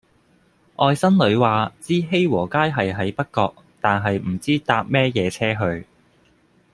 外甥女話知熙和街係喺北角但係唔知搭咩野車去